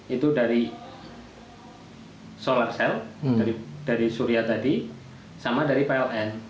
itu dari solar cell dari surya tadi sama dari pln